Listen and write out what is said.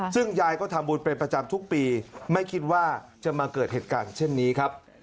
ซึ่งยายก็ทำบุญเป็นประจำทุกปีไม่คิดว่าจะมาเกิดเหตุการณ์เช่นนี้ครับ